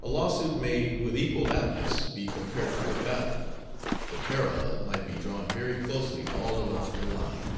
A lawsuit may with equal aptness be compared to a battle the parallel might be drawn very closely all along the line.